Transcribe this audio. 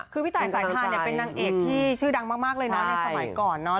คือพี่ตายสายทานเนี่ยเป็นนางเอกที่ชื่อดังมากเลยเนาะในสมัยก่อนเนาะ